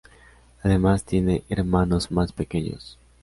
Además tiene hermanos más pequeños.